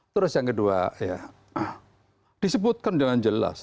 terus yang kedua ya disebutkan dengan jelas